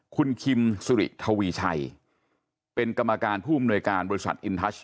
คุณคิมสุริทวีชัยเป็นกรรมการผู้อำนวยการบริษัทอินทัช